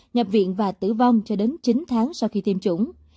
nhập viện và tử vong cho đến chín tháng sau khi tiêm chủng